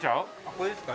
これですか？